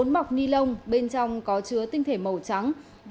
bốn mọc ni lông bên trong có chứa tinh thể màu trắng